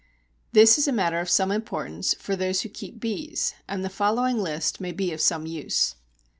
This is a matter of some importance for those who keep bees, and the following list may be of some use.